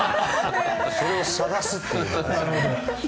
それを探すっていうね。